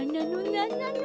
なんなの？